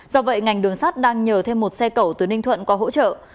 do vậy ngành đường sắt đang nhờ thêm một xe cầu từ ninh thuận có hỗ trợ